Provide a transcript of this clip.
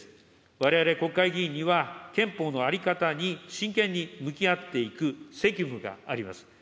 われわれ国会議員には、憲法の在り方に真剣に向き合っていく責務があります。